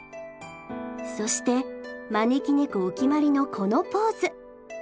そして招き猫お決まりのこのポーズ。